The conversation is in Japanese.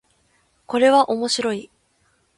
これは面白い